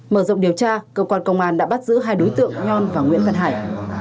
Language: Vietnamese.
mở rộng điều tra cơ quan công an đã bắt giữ hai đối tượng nhon và nguyễn văn hải